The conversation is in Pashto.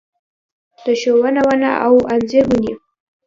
د ښونه ونه او انځر ونې